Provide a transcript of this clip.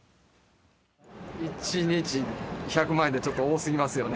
１日１００万円って、ちょっと多すぎますよね。